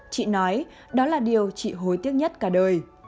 chị nói đó là điều chị hồi tiếc nhất cả đời